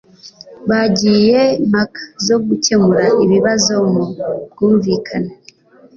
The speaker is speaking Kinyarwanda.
bagiye mpaka zo gukemura ibibazo mu bwumvikane